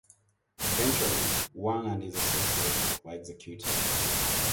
Eventually, Wang and his associates were executed.